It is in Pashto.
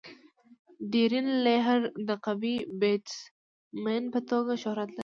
ډیرن لیهر د قوي بيټسمېن په توګه شهرت لري.